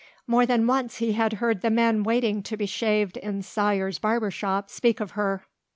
More than once he had heard the men waiting to be shaved in Sawyer's barber shop speak of her.